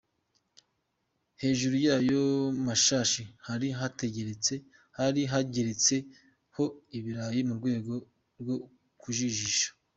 Hejuru y’ayo mashashi hari hageretse ho ibirayi mu rwego rwo kujijisha.